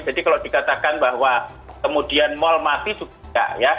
jadi kalau dikatakan bahwa kemudian mall mati juga nggak ya